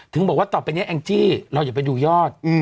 ถึงบอกว่าต่อไปนี้แองจี้เราอย่าไปดูยอด